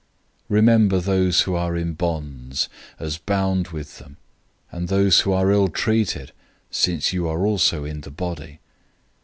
013:003 Remember those who are in bonds, as bound with them; and those who are ill treated, since you are also in the body.